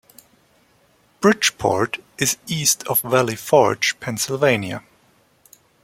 Bridgeport is east of Valley Forge, Pennsylvania.